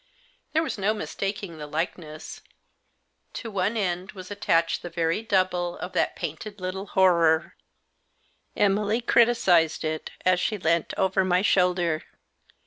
There was no mistaking the likeness ; to one end was attached the very double of that painted little horror Emily criticised it as she leant over my shoulder.